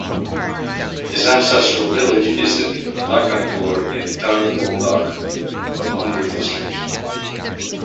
His ancestral village is in Lakhanpur in Tarapur block of Munger district.